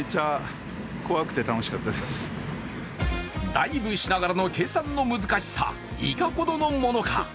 ダイブしながらの計算の難しさいかほどのものか。